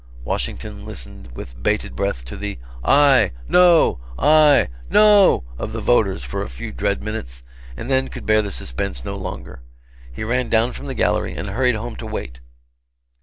Washington listened with bated breath to the "Aye!" "No!" "No!" "Aye!" of the voters, for a few dread minutes, and then could bear the suspense no longer. He ran down from the gallery and hurried home to wait.